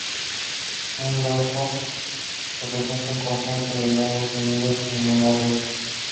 Un grafo, representa un conjunto de nodos unidos en una red.